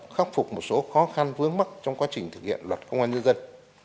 khắc phục một số khó khăn vướng mắt trong quá trình thực hiện luật công an nhân dân